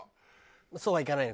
そうはいかないのか。